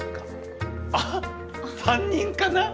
あっ３人かな？